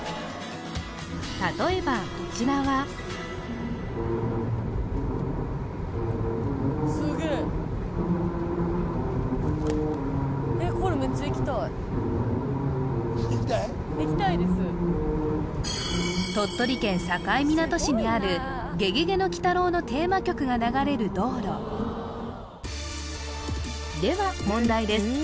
例えばこちらは鳥取県境港市にある「ゲゲゲの鬼太郎」のテーマ曲が流れる道路では問題です